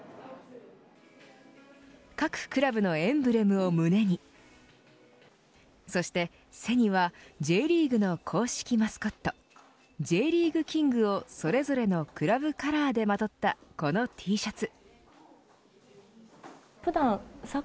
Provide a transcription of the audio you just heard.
各クラブのエンブレムを胸にそして背にはＪリーグの公式マスコットＪリーグキングを、それぞれのクラブカラーでまとったこのＴシャツ。